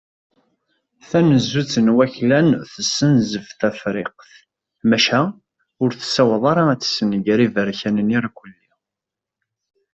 Tanezzut n waklan tessenzef Tafriqt, maca ur tessaweḍ ara ad tessenger Iberkanen irkelli.